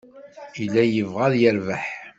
Yella yebɣa ad yerbeḥ.